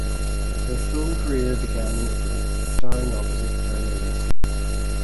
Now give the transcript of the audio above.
Her film career began in Italy starring opposite Virna Lisi.